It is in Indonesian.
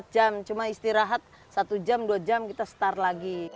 dua puluh empat jam cuma istirahat satu jam dua jam kita setara